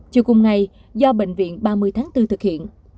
chiều cùng ngày do bệnh viện ba mươi tháng bốn thực hiện